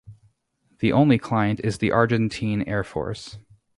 The only client is the Argentine Air Force.